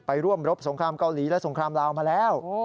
ร่วมรบสงครามเกาหลีและสงครามลาวมาแล้ว